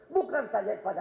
bukan saja pada